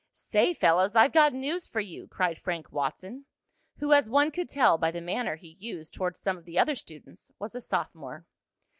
"Say, fellows, I've got news for you!" cried Frank Watson, who, as one could tell by the manner he used toward some of the other students, was a sophomore.